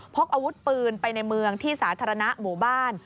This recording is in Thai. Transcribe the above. พกอาวุธปืนไปในเมืองที่สาธารณะหมู่บ้าน